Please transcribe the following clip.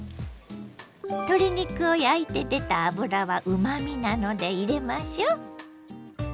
鶏肉を焼いて出た脂はうまみなので入れましょ。